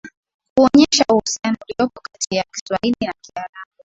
kuonesha uhusiano uliopo katiya Kiswahili na Kiarabu